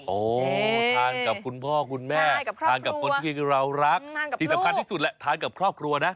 โอ้ทานกับคุณพ่อคุณแม่ทานกับคนที่เรารักที่สำคัญที่สุดแหละทานกับครอบครัวนะ